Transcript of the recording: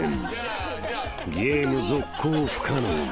［ゲーム続行不可能に］